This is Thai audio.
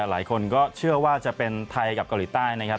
หลายคนก็เชื่อว่าจะเป็นไทยกับเกาหลีใต้นะครับ